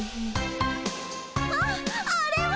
あっあれは。